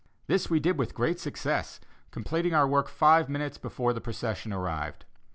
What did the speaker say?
This we did with great success, completing our work five minutes before the procession arrived.